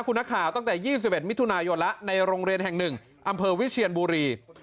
คุณนักข่าวตั้งแต่๒๑มิถุนายนแล้วในโรงเรียนแห่ง๑อำเภอวิเชียนบุรี